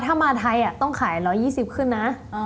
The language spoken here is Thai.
ถ้ามาไทยต้องขาย๑๒๐ขึ้นนะ